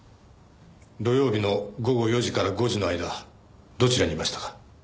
土曜日の午後４時から５時の間どちらにいましたか？